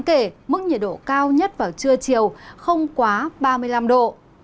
đáng kể mức nhiệt độ cao nhất vào trưa chiều không quá ba mươi năm độ